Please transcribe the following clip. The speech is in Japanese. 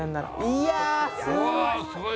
いやすごい！